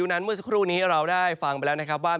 นั้นเมื่อสักครู่นี้เราได้ฟังไปแล้วนะครับว่า